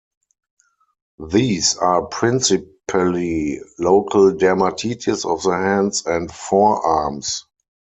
These are principally local dermatitis of the hands and forearms.